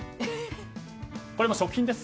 これも食品です。